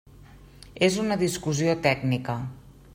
És una discussió tècnica.